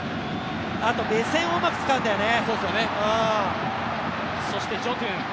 あと目線をうまく使うんだよね。